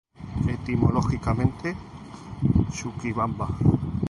Etimológicamente, Chuquibamba.